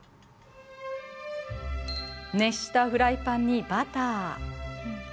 熱したフライパンにバター。